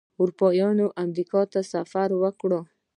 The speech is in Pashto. اروپایانو امریکا ته سفر وکړ.